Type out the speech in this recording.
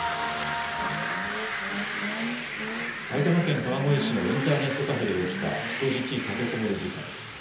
埼玉県川越市のインターネットカフェで起きた人質立てこもり事件。